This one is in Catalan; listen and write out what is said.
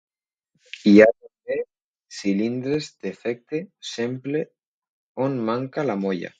Hi ha també cilindres d'efecte simple on manca la molla.